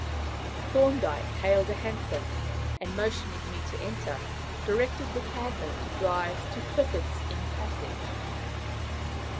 Thorndyke hailed a hansom, and, motioning me to enter, directed the cabman to drive to Clifford's Inn Passage.